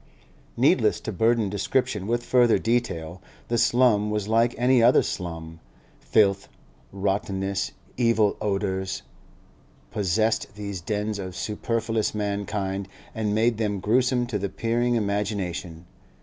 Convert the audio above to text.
Needless to burden description with further detail; the slum was like any other slum; filth, rottenness, evil odours, possessed these dens of superfluous mankind and made them gruesome to the peering imagination.